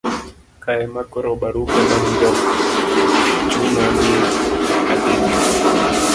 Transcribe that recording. kae ema koro barupe mag jok chuno ni nyaka ndiki